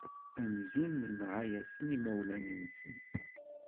Amzun nenɣa-asen imawlan-nsen.